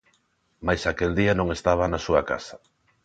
Mais aquel día non estaba na súa casa.